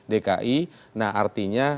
dki nah artinya